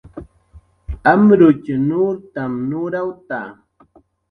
Amrutx nurtam nurawta